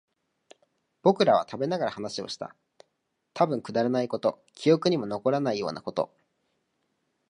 僕らは食べながら話をした。たぶんくだらないこと、記憶にも残らないようなこと。